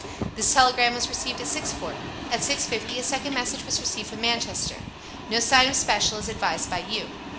This telegram was received at six forty. At six fifty a second message was received from Manchester "No sign of special as advised by you."